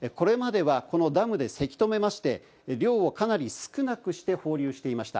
これまではこのダムでせき止めまして量をかなり少なくして放流していました。